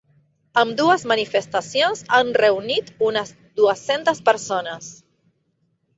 Ambdues manifestacions han reunit unes dues-centes persones.